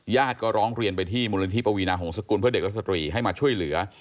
ก็ร้องเรียนไปที่มูลนิธิปวีนาหงษกุลเพื่อเด็กและสตรีให้มาช่วยเหลือ